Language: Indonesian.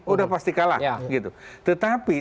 sudah pasti kalah tetapi